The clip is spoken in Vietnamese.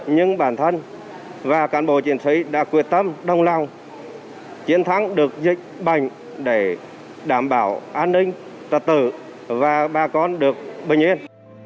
nhưng bản thân và cán bộ chiến sĩ đã quyết tâm đồng lòng chiến thắng được dịch bệnh để đảm bảo an ninh trật tự và bà con được bình yên